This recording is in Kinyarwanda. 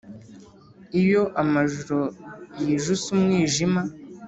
iyo amajoro yijuse umwijima